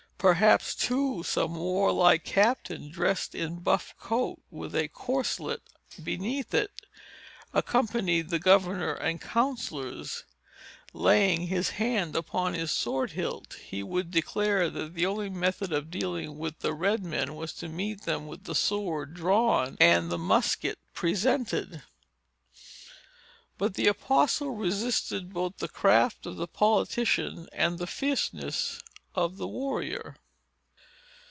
Perhaps, too, some warlike captain, dressed in his buff coat, with a corslet beneath it, accompanied the governor and counsellors. Laying his hand upon his sword hilt, he would declare, that the only method of dealing with the red men was to meet them with the sword drawn, and the musket presented. But the apostle resisted both the craft of the politician, and the fierceness of the warrior.